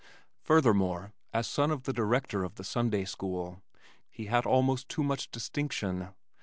Furthermore, as son of the director of the Sunday school he had almost too much distinction.